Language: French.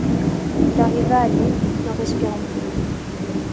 Il arriva à l’inn, ne respirant plus.